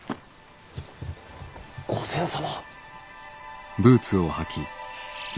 御前様！